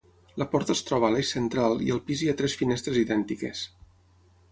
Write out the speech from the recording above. La porta es troba a l'eix central i al pis hi ha tres finestres idèntiques.